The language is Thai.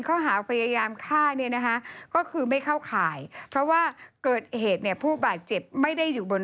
รูปอะไรเป็นว่าเรามีพื้นหมดปืน